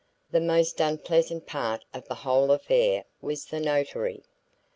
The most unpleasant part of the whole affair was the notoriety.